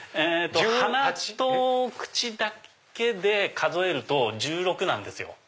鼻と口だけで数えると１６なんですよ。